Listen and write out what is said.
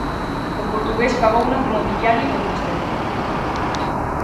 O portugués pagouna co mobiliario do Di Stéfano.